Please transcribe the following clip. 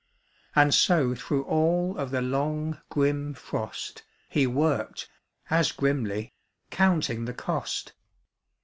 And so through all of The long grim frost He worked, as grimly, Counting the cost.